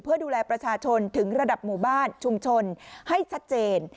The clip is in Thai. เพื่อดูแลประชาชนถึงระดับหมู่บ้านชุมชนให้ชัดเจน